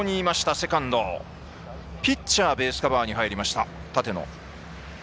セカンドピッチャーベースカバーに入りました立野。